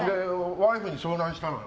ワイフに相談したのよ。